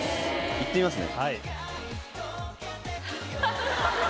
いってみますね。